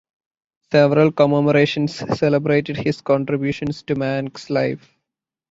Several commemorations celebrated his contributions to Manx life.